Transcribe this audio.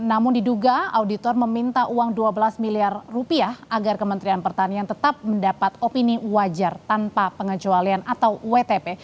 namun diduga auditor meminta uang dua belas miliar rupiah agar kementerian pertanian tetap mendapat opini wajar tanpa pengecualian atau wtp